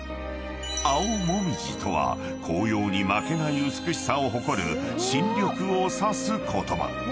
［青もみじとは紅葉に負けない美しさを誇る新緑を指す言葉］